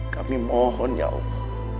kami mohon ya allah